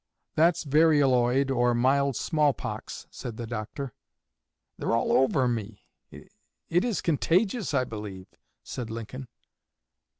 "That's varioloid, or mild small pox," said the doctor. "They're all over me. It is contagious, I believe," said Lincoln.